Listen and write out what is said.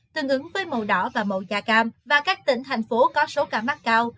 tương ứng với màu đỏ và màu da cam và các tỉnh thành phố có số cả mắt cao